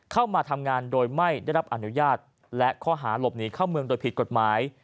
เข้ามาทำงานโดยไม่ได้รับอนุญาตและข้อหาหลบหนีเข้าเมืองโดยผิดกฎหมาย